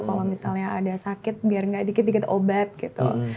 kalau misalnya ada sakit biar nggak dikit dikit obat gitu